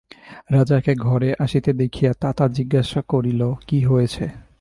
রাজাকে ঘরে আসিতে দেখিয়া তাতা জিজ্ঞাসা করিল, কী হয়েছে?